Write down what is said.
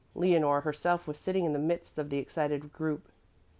Leonore herself was sitting in the midst of the excited group.